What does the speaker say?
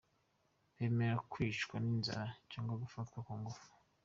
Bemera kwicwa n’inzara cyangwa gufatwa ku ngufu.